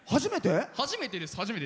初めてです。